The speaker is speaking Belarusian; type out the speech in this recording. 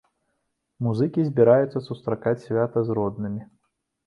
Музыкі збіраюцца сустракаць свята з роднымі.